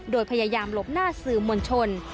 โดยพยายามหลบหน้าสื่อมวลชน